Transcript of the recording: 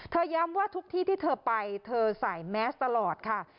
ย้ำว่าทุกที่ที่เธอไปเธอใส่แมสตลอดค่ะ